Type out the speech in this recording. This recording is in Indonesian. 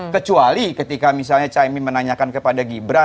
kecuali ketika misalnya caimin menanyakan kepada dia